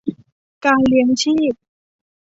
การเลี้ยงชีวิต